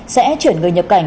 sẽ chuyển người nhập cảnh